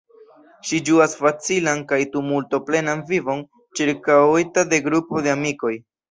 Ŝi ĝuas facilan kaj tumulto-plenan vivon, ĉirkaŭita de grupo de amikoj.